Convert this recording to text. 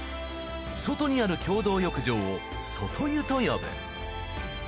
外にある共同浴場を外湯と呼ぶ。